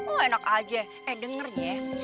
oh enak aja eh denger ya